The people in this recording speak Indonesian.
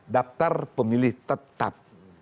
daftar pemilih tetap